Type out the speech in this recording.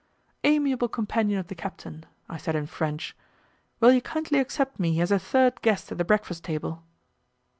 "Amiable companion of the captain," I said in French, "will you kindly accept me as a third guest at the breakfast table?"